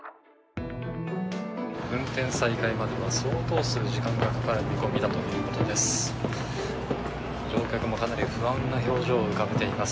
運転再開までは、相当数時間がかかる見込みだということです。